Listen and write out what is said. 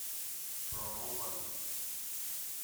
Però no ho va dir.